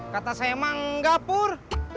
kata saya emang enggak pur